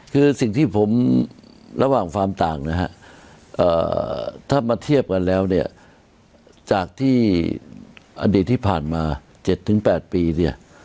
คือสิ่งที่ผมระหว่างความต่างนะฮะถ้ามาเทียบกันแล้วเนี่ยจากที่อดีตที่ผ่านมา๗๘ปีเนี่ย